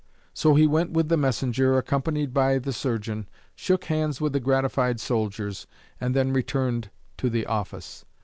So he went with the messenger, accompanied by the surgeon, shook hands with the gratified soldiers, and then returned to the office.